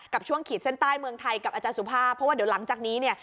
ช่วงขีดเส้นใต้เมืองไทยกับอาจารย์สุภาพเพราะว่าเดี๋ยวหลังจากนี้เนี่ย